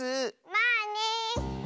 まあね。